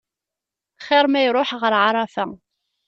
Xir ma iruḥ ɣer ɛarafa.